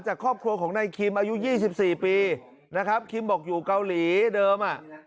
จากครอบครัวของนายคิมอายุ๒๔ปีนะครับคิมบอกอยู่เกาหลีเดิมอ่ะ